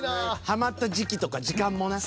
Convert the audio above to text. ハマった時期とか時間もな。